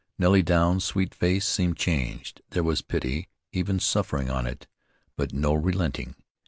Nellie Douns' sweet face seemed changed; there was pity, even suffering on it, but no relenting.